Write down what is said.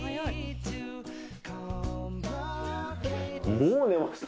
もう寝ました？